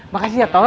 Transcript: makasih ya toh